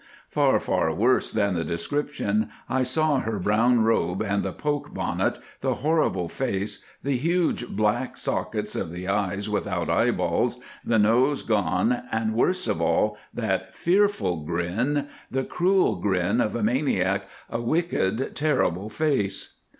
Far, far worse than the description. I saw her brown robe and the poke bonnet, the horrible face, the huge black sockets of the eyes without eyeballs, the nose gone, and, worst of all, that fearful grin, the cruel grin of a maniac, a wicked, terrible face.